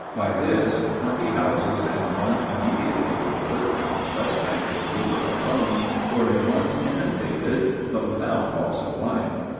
By this, twenty houses in one immediate neighborhood, on the west bank of the river alone, were at once inundated, but without loss of life.